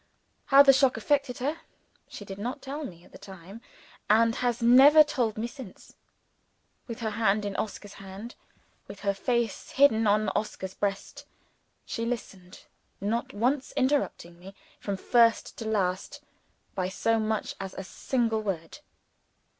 How the shock affected her, she did not tell me at the time, and has never told me since. With her hand in Oscar's hand, with her face hidden on Oscar's breast, she listened; not once interrupting me, from first to last, by so much as a single word.